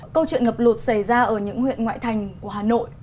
câu chuyện ngập lụt xảy ra ở những huyện ngoại thành của hà nội